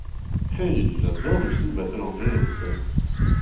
Hey, j'adore le film battle angels alita.